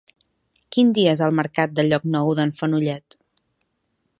Quin dia és el mercat de Llocnou d'en Fenollet?